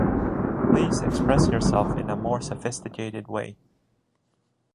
Please express yourself in a more sophisticated way.